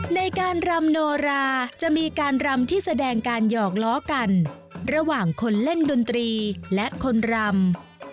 ในการรำโนราจะมีการรำที่แสดงการหยอกล้อกันระหว่างคนเล่นดนตรีและคนรำ